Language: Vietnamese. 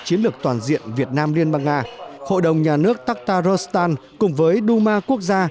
chiến lược toàn diện việt nam liên bang nga hội đồng nhà nước taktaristan cùng với duma quốc gia